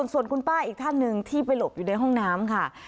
ส่วนคุณป้าอีกท่านหนึ่งที่ไปหลบอยู่ในห้องน้ำค่ะ